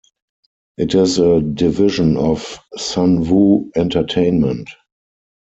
It is a division of Sunwoo Entertainment.